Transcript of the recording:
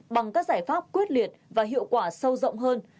bằng các giải pháp quyết liệt và hiệu quả sâu rộng hơn